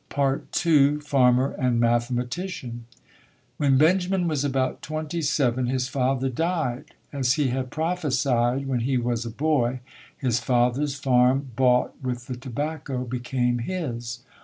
II FARMER AND MATHEMATICIAN When Benjamin was about twenty seven, his father died. As he had prophesied when he was a boy, his father's farm bought with the tobacco, became his.